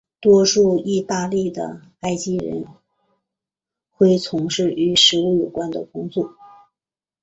多数义大利的埃及人恢从事与食物有关的工作。